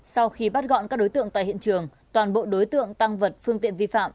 sau khi bắt gọn các đối tượng tại hiện trường toàn bộ đối tượng tăng vật phương tiện vi phạm